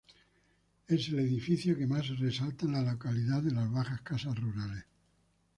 Es el edificio que más resalta en la localidad, de las bajas casas rurales.